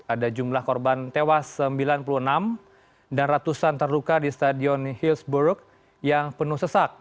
ada jumlah korban tewas sembilan puluh enam dan ratusan terluka di stadion hillsburg yang penuh sesak